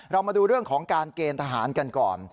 มาดูเรื่องของการเกณฑ์ทหารกันก่อน